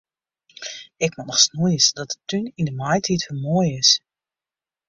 Ik moat noch snoeie sadat de tún yn de maitiid wer moai is.